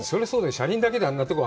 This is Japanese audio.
車輪だけであんなところ。